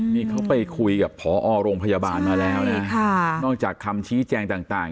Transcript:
นี่เขาไปคุยกับพอโรงพยาบาลมาแล้วนะนอกจากคำชี้แจงต่าง